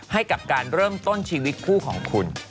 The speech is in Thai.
ให้กับการเริ่มต้นชีวิตคู่ของคุณ